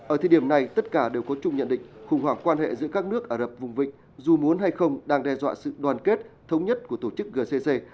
ở thời điểm này tất cả đều có chung nhận định khủng hoảng quan hệ giữa các nước ả rập vùng vịnh dù muốn hay không đang đe dọa sự đoàn kết thống nhất của tổ chức gcc